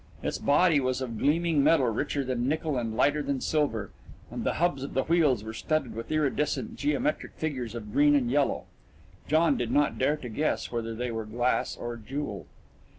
Its body was of gleaming metal richer than nickel and lighter than silver, and the hubs of the wheels were studded with iridescent geometric figures of green and yellow John did not dare to guess whether they were glass or jewel.